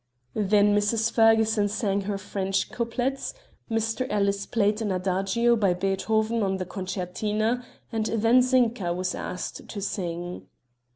Then Mrs. Ferguson sang her French couplets, Mr. Ellis played an adagio by Beethoven on the concertina, and then Zinka was asked to sing.